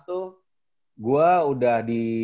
tuh gue udah di